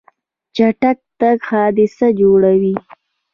چټک تګ حادثه جوړوي.